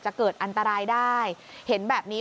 จะเกิดอันตรายได้เห็นแบบนี้